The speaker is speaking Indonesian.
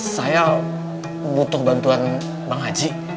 saya butuh bantuan bang haji